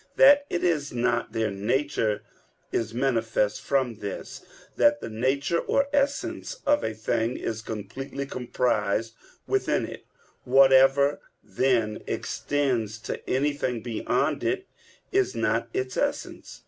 That it is not their nature is manifest from this, that the nature or essence of a thing is completely comprised within it: whatever, then, extends to anything beyond it, is not its essence.